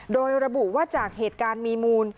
โดยระบุว่าจากเหตุการณ์มีมูล